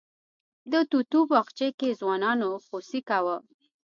د توتو باغچې کې ځوانانو خوسی کوه.